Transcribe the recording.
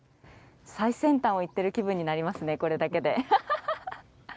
最先端を行ってる気分になりますね、これだけで。